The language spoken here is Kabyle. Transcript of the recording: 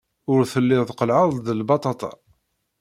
Ur tellid qellɛed-d lbaṭaṭa.